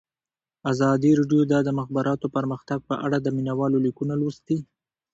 ازادي راډیو د د مخابراتو پرمختګ په اړه د مینه والو لیکونه لوستي.